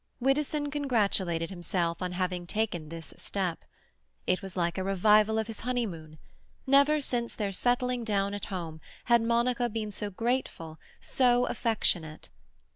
Widdowson congratulated himself on having taken this step; it was like a revival of his honeymoon; never since their settling down at home had Monica been so grateful, so affectionate.